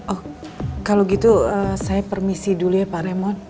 oh kalau gitu saya permisi dulu ya pak remo